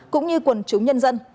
cũng như quần chúng nhân dân